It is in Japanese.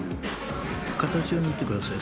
形を見てください